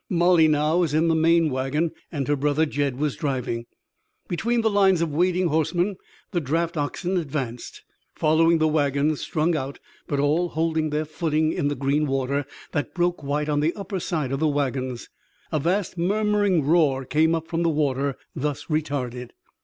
Molly now was in the main wagon, and her brother Jed was driving. Between the lines of wading horsemen the draft oxen advanced, following the wagons, strung out, but all holding their footing in the green water that broke white on the upper side of the wagons. A vast murmuring roar came up from the water thus retarded.